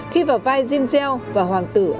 khi vào vai jean shell và hoàng tử andré